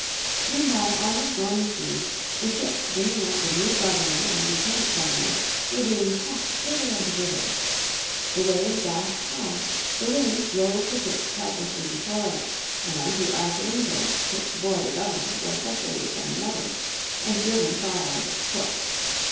Meanwhile on the stormy seas the ships bringing out the new Governor and Lieutenant Governor were being tossed hither and thither. The waves dashed high, the wind drove the ships helplessly before it, and the Archangel, which bore the Governor was separated from the others, and driven far out of its course.